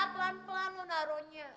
pelan pelan lu naruhnya